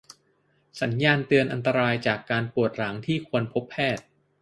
สัญญาณเตือนอันตรายจากการปวดหลังที่ควรพบแพทย์